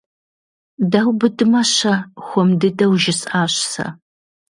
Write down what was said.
Даубыдмэ-щэ? - хуэм дыдэу жысӀащ сэ.